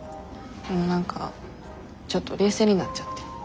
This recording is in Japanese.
何かちょっと冷静になっちゃって。